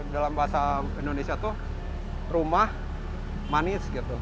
dalam bahasa indonesia tuh rumah manis gitu